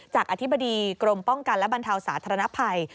อธิบดีกรมป้องกันและบรรเทาสาธารณภัย